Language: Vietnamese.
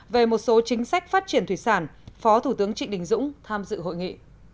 về một số chính sách phát triển thủy sản phó thủ tướng trịnh đình dũng tham dự hội nghị